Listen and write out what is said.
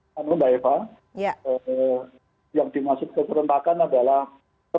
yang dimaksud keserentakan adalah